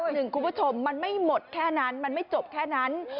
หนึ่งคุณผู้ชมมันไม่หมดแค่นั้นมันไม่จบแค่นั้น